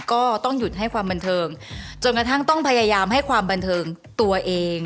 ก็ต้องหยุดให้ความบันเทิงจนกระทั่งต้องพยายามให้ความบันเทิงตัวเอง